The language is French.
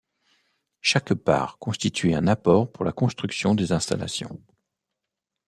Chaque part constituait un apport pour la construction des installations.